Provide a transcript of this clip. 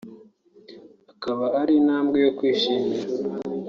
ikaba ari intambwe yo kwishimira